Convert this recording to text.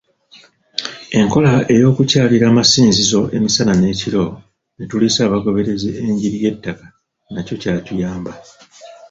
Enkola ey'okukyalira amasinzizo emisana n'ekiro ne tuliisa abagoberezi enjiri y'ettaka nakyo kyatuyamba.